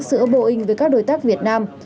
giữa boeing với các đối tác việt nam